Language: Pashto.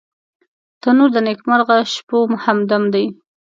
تنور د نیکمرغه شپو همدم دی